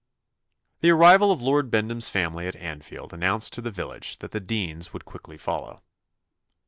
The arrival of Lord Bendham's family at Anfield announced to the village that the dean's would quickly follow.